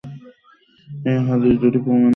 এ হাদীস দুটি প্রামাণ্য নয়।